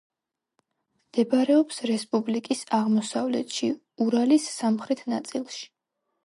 მდებარეობს რესპუბლიკის აღმოსავლეთში, ურალის სამხრეთ ნაწილში.